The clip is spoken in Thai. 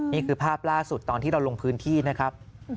นี่คือภาพล่าสุดตอนที่เราลงพื้นที่นะครับ